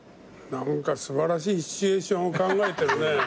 何か素晴らしいシチュエーションを考えてるね。